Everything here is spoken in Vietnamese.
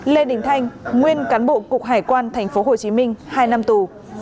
lê đình thanh nguyên cán bộ cục hải quan tp hcm hai năm tù